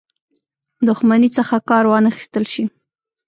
دښمنۍ څخه کار وانه خیستل شي.